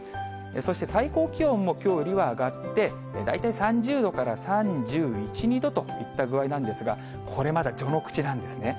そして最高気温もきょうよりは上がって、大体３０度から３１、２度といった具合なんですが、これ、まだ序の口なんですね。